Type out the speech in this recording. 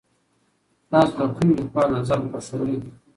تاسو د کوم لیکوال نظر خوښوئ؟